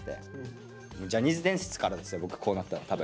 僕こうなったの多分。